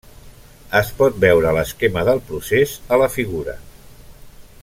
Es pot veure l'esquema del procés a la figura.